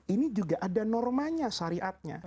ini juga ada normanya syariatnya